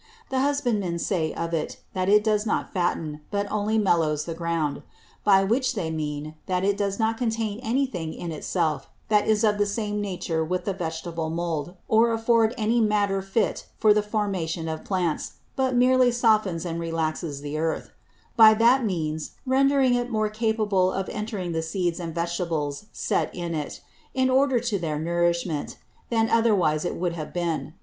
The Husbandmen say of it, that it does not fatten, but only mellows the Ground: By which they mean, that it does not contain any thing in it self that is of the same Nature with the Vegetable Mould, or afford any Matter fit for the Formation of Plants; but meerly softens and relaxes the Earth; by that means rendering it more capable of entering the Seeds and Vegetables set in it, in order to their Nourishment, than otherwise it would have been.